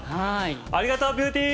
ありがとうビューティー！